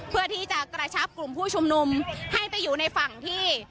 เพื่อที่จะกระชับกลุ่มผู้ชุมนุมให้ไปอยู่ในฝั่งที่